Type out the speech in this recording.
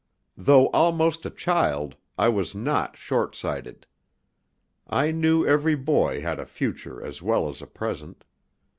Though almost a child, I was not short sighted. I knew every boy had a future as well as a present.